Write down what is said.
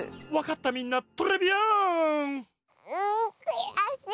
わかったみんなトレビアーン！